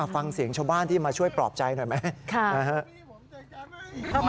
ฟังเสียงชาวบ้านที่มาช่วยปลอบใจหน่อยไหม